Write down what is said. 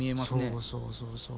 そうそうそうそう。